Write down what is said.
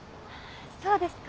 そうですか？